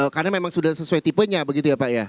karena memang sudah sesuai tipenya begitu ya pak ya